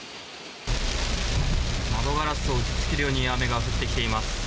窓ガラスを打ち付けるように雨が降ってきています。